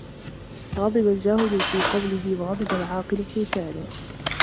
غضب الجاهل في قوله وغضب العاقل في فعله